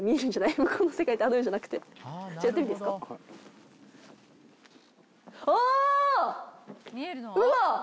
向こうの世界ってあの世じゃなくてやってみていいですかおおうわっ